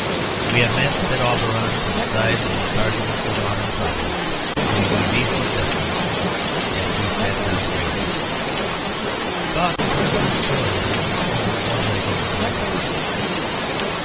"We have met," said Auberon, "to decide the most arduous of modern problems. May we be successful." And he sat down gravely. Buck turned his chair a little, and flung one leg over the other.